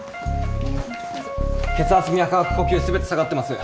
血圧脈拍呼吸全て下がってます。